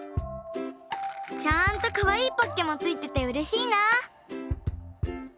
ちゃんとかわいいポッケもついててうれしいな。